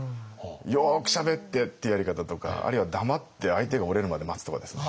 よくしゃべってっていうやり方とかあるいは黙って相手が折れるまで待つとかですね。